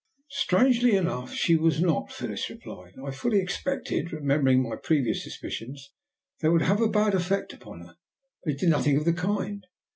"Strangely enough she was not," Phyllis replied. "I fully expected, remembering my previous suspicions, that it would have a bad effect upon her, but it did nothing of the kind.